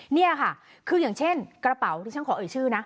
นี่ค่ะคืออย่างเช่นกระเป๋าที่ฉันขอเอ่ยชื่อนะ